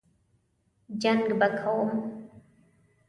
جنګ به کوم.